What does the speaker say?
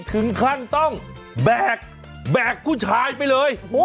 ถึงขั้นต้องแบกผู้ชายไปเลย